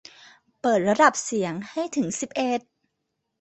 เปิดระดับเสียงให้ถึงสิบเอ็ด